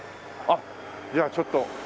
あっじゃあちょっと。